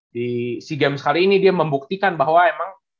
di sea games kali ini dia membuktikan bahwa emang